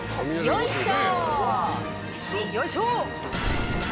よいしょ！